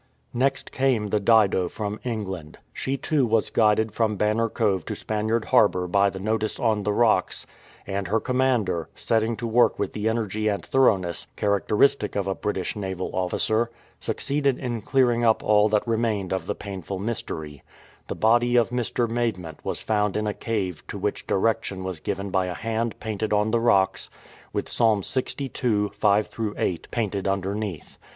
Next came the Dido from England. She too was guided from Banner Cove to Spaniard Harbour by the notice on the rocks, and her commander, setting to work with the energy and thoroughness characteristic of a British naval officer, succeeded in clearing up all that remained of the painful mystery The body of Mr. Maidment was found in a cave to which direction was given by a hand painted on the rocks, with Psalm lxii. 5 8 painted underneath.